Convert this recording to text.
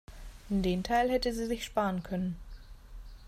Den Teil hätte sie sich sparen können.